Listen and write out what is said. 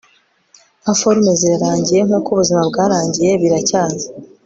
nka forme, zirarangiye, nkuko ubuzima bwarangiye! biracyaza